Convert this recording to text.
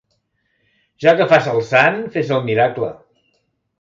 Ja que fas el sant, fes el miracle.